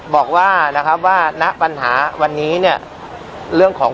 บอกว่านะครับว่าณปัญหาวันนี้เนี่ยเรื่องของ